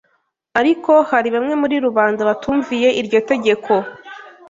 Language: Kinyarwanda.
Ariko hari bamwe muri rubanda batumviye iryo tegeko